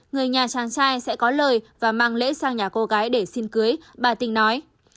người nhà chàng trai sẽ có lời và mang lễ sang nhà cô gái để xin cưới bà tình nói